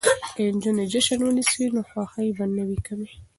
که نجونې جشن ونیسي نو خوښي به نه وي کمه.